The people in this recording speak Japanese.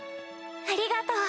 ありがとう。